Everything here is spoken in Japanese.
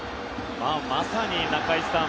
まさに中居さん